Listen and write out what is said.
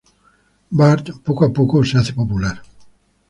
Bart poco a poco se hace popular.